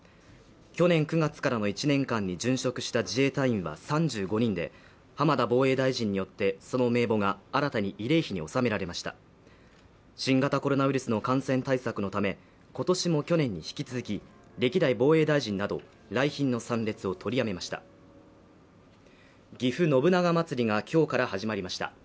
去年９月からの１年間に殉職した自衛隊員は３５人で浜田防衛大臣によってその名簿が新たに慰霊碑に納められました新型コロナウイルスの感染対策のため今年も去年に引き続き歴代防衛大臣など来賓の参列を取りやめましたぎふ信長まつりがきょうから始まりました